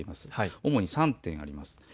主に３点あります。